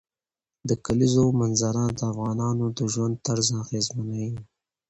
د کلیزو منظره د افغانانو د ژوند طرز اغېزمنوي.